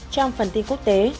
trong phần tin quốc tế